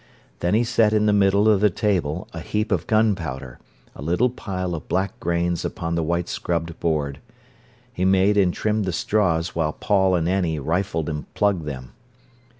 Then he set in the middle of the table a heap of gunpowder, a little pile of black grains upon the white scrubbed board. He made and trimmed the straws while Paul and Annie rifled and plugged them.